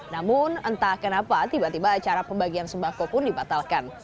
namun entah kenapa tiba tiba acara pembagian sembako pun dibatalkan